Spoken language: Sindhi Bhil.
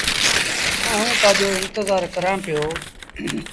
آئوٚݩ تآجو انتزآر ڪرآݩ پيو۔